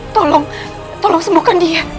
tolong tolong sembuhkan dia